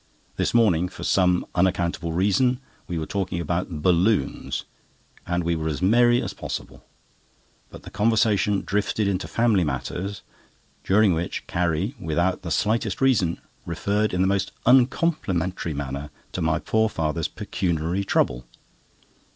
This morning, for some unaccountable reason, we were talking about balloons, and we were as merry as possible; but the conversation drifted into family matters, during which Carrie, without the slightest reason, referred in the most uncomplimentary manner to my poor father's pecuniary trouble.